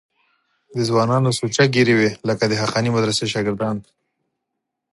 د ځوانانو سوچه ږیرې وې لکه د حقانیه مدرسې شاګردان.